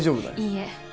いいえ